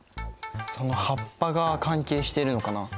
その葉っぱが関係しているのかな？